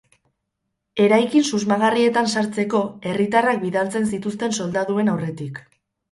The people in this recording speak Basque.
Eraikin susmagarrietan sartzeko, herritarrak bidaltzen zituzten soldaduen aurretik.